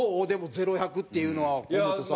０１００っていうのは河本さん。